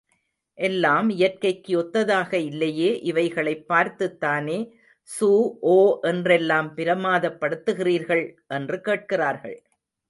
எல்லாம் இயற்கைக்கு ஒத்ததாக இல்லையே, இவைகளைப் பார்த்துத் தானே, சூ, ஓ என்றெல்லாம் பிரமாதப்படுத்துகிறீர்கள்? என்று கேட்கிறார்கள்.